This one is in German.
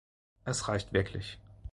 Es reicht wirklich.